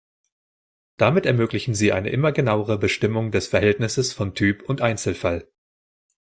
Damit ermöglichen sie eine immer genauere Bestimmung des Verhältnisses von Typ und Einzelfall.